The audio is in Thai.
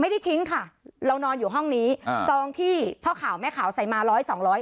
ทิ้งค่ะเรานอนอยู่ห้องนี้อ่าซองที่พ่อข่าวแม่ขาวใส่มาร้อยสองร้อย